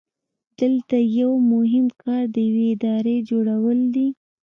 دلته یو مهم کار د یوې ادارې جوړول دي.